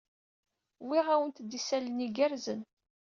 Wwiɣ-awent-d isalan igerrzen.